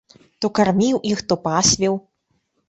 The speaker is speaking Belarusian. То карміў іх, то пасвіў.